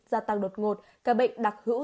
gia tăng đột ngột ca bệnh đặc hữu